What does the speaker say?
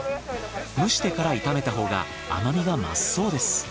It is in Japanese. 蒸してから炒めたほうが甘みが増すそうです。